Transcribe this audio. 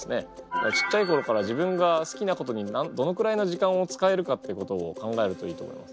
ちっちゃい頃から自分が好きなことにどのくらいの時間を使えるかっていうことを考えるといいと思います。